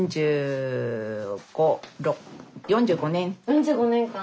４５年間？